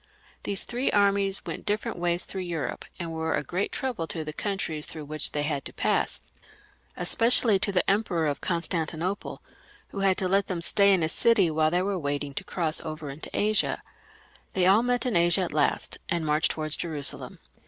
These three armies went different ways through Europe, and were a great trouble to the countries through which they had to pass, especially to the Emperor of Constantinople, who had to let them stay in his city while they were waiting to cross over into Asia. They all met in Asia at last, and marched towards Jerusalem.